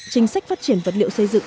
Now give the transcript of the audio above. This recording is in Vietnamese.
chính sách phát triển vật liệu xây dựng